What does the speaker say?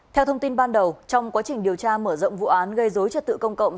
theo thông tin ban đầu trong quá trình điều tra mở rộng vụ án gây dối trật tự công cộng